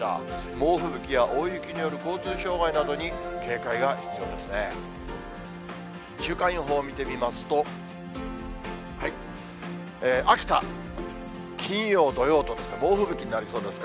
猛吹雪や、大雪による交通障害などに警戒が必要ですね。